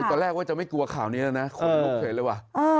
ตอนแรกว่าจะไม่กลัวข่าวนี้แล้วนะคนลุกเฉยเลยว่ะ